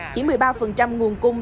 chỉ một mươi ba nguồn cung